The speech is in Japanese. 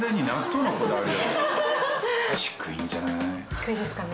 「低いですかね」